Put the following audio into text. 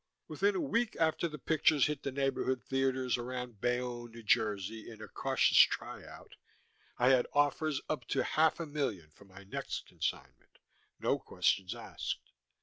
Within a week after the pictures hit the neighborhood theatres around Bayonne, New Jersey, in a cautious tryout, I had offers up to half a million for my next consignment, no questions asked.